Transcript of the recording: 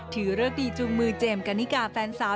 ถือแรกดีจุงมือเจมส์การิกาแฟนสาว